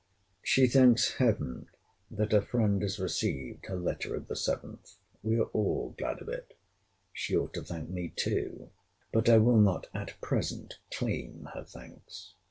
She thanks Heaven, that her friend has received her letter of the 7th. We are all glad of it. She ought to thank me too. But I will not at present claim her thanks.